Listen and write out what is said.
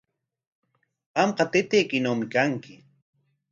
Qamqa taytaykinawmi kanki.